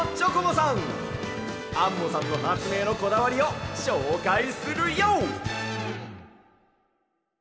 アンモさんのはつめいのこだわりをしょうかいするＹＯ！